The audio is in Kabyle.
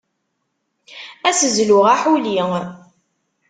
Ad as-zluɣ aḥuli.